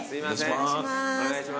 お願いします。